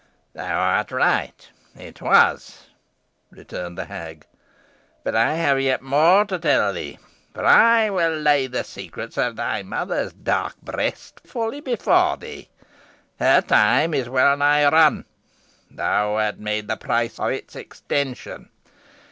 "Thou art right it was," returned the hag; "but I have yet more to tell thee, for I will lay the secrets of thy mother's dark breast fully before thee. Her time is wellnigh run. Thou wert made the price of its extension.